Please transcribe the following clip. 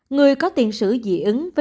người có tiền sử dị ứng